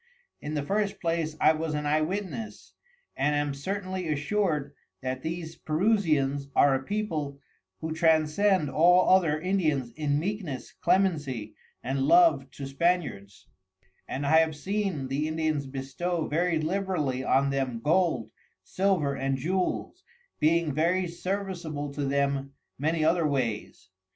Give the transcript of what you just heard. In the first place I was an Eye Witness, and am certainly assur'd, that these Perusians are a People, who transcend all other Indians in Meekness, Clemency, and Love to Spaniards; and I have seen the Indians bestow very liberally on them Gold, Silver, and Jewels, being very serviceable to them many other wayes.